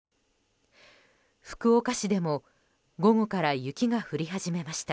福岡市でも午後から雪が降り始めました。